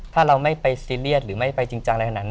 ถ้าเราไม่ไปซีเรียสหรือไม่ไปจริงจังอะไรขนาดนั้น